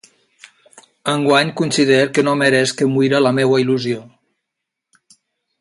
Enguany considere que no meresc que muira la meua il·lusió.